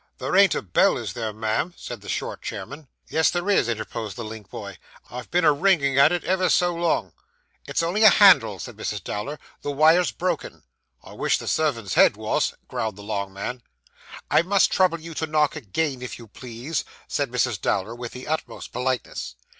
There ain't a bell, is there, ma'am?' said the short chairman. 'Yes, there is,' interposed the link boy, 'I've been a ringing at it ever so long.' 'It's only a handle,' said Mrs. Dowler, 'the wire's broken.' 'I wish the servants' heads wos,' growled the long man. 'I must trouble you to knock again, if you please,' said Mrs. Dowler, with the utmost politeness.